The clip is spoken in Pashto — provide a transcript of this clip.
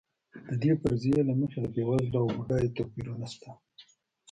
د دې فرضیې له مخې د بېوزلو او بډایو توپیرونه شته.